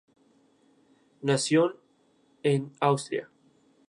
A estas demandas se unieron las del personal de "La Nación".